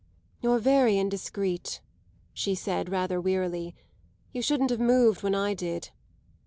"You're very indiscreet," she said rather wearily; "you shouldn't have moved when I did."